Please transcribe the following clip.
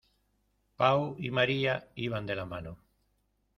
Pau y María iban de la mano.